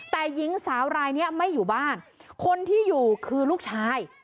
แต่หญิงสาวรายนี้ไม่อยู่บ้านคนที่อยู่คือลูกชาย